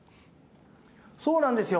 そうなんですよ。